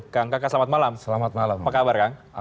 kang kakak selamat malam apa kabar kang